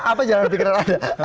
apa jalan pikiran anda